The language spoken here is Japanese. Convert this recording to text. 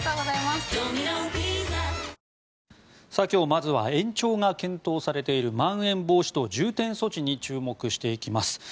今日まずは延長が検討されているまん延防止等重点措置に注目していきます。